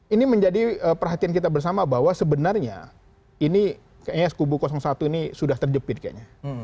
ini menjadi perhatian kita bersama bahwa sebenarnya ini kayaknya kubu satu ini sudah terjepit kayaknya